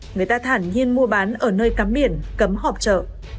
người ta thản nhiên mua bán ở nơi cấm biển cấm họp chợ